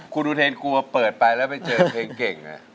คุณอุเทนกลัวเปิดไปแล้วไปเจอเพลงเก่งนะ